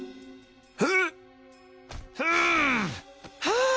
はあ。